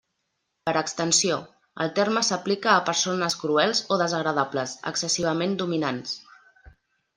Per extensió, el terme s'aplica a persones cruels o desagradables, excessivament dominants.